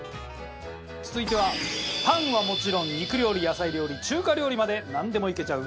続いてはパンはもちろん肉料理野菜料理中華料理までなんでもいけちゃう